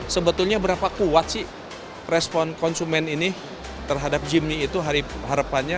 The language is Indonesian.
sebetulnya berapa kuat sih respon konsumen ini terhadap jimmy itu harapannya